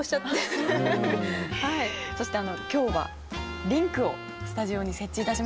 そして今日はリンクをスタジオに設置いたしました。